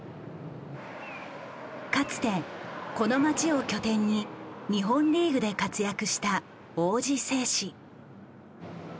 かつてこの町を拠点に日本リーグで活躍した王子製紙。